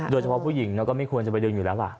โดยเฉพาะผู้หญิงก็ไม่ควรจะไปดึงอยู่แล้วล่ะ